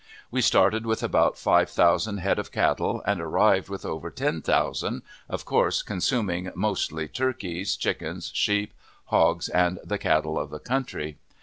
We started with about five thousand head of cattle, and arrived with over ten thousand, of course consuming mostly turkeys, chickens, sheep, hogs, and the cattle of the country.